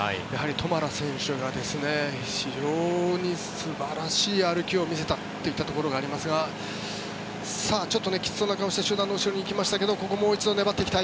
トマラ選手が非常に素晴らしい歩きを見せたといったところがありますがちょっときつそうな顔をして集団の後ろに行きましたがここもう一度粘っていきたい。